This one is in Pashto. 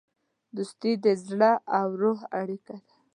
دوستي د زړه او روح اړیکه ده.